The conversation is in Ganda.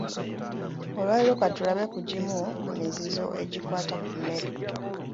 Olwaleero ka tulabe ku gimu ku mizizo egikwata ku mmere.